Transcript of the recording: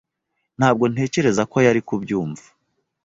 Ntabwo ntekereza ko yari kubyumva